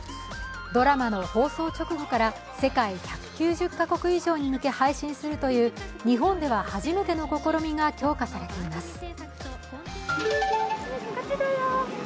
ドラマの放送直後から世界１９０カ国以上に向けて配信するという日本では初めての試みが評価されています。